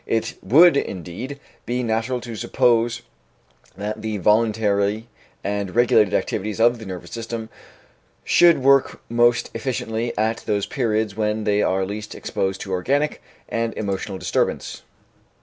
It would, indeed, be natural to suppose that the voluntary and regulated activities of the nervous system should work most efficiently at those periods when they are least exposed to organic and emotional disturbance.